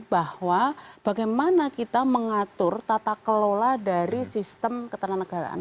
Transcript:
bahwa bagaimana kita mengatur tata kelola dari sistem ketenagaraan